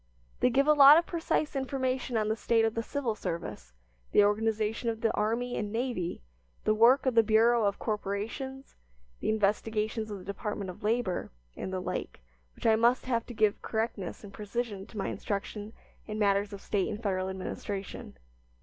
They give a lot of precise information on the state of the civil service, the organization of the army and navy, the work of the Bureau of Corporations, the investigations of the Department of Labor, and the like, which I must have to give correctness and precision to my instruction in matters of State and Federal administration.